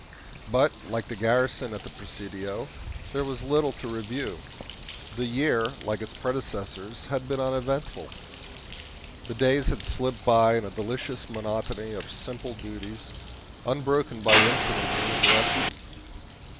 But, like the garrison at the Presidio, there was little to review; the year, like its predecessors, had been uneventful the days had slipped by in a delicious monotony of simple duties, unbroken by incident or interruption.